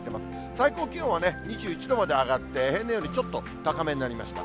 最高気温は２１度まで上がって、平年よりちょっと高めになりました。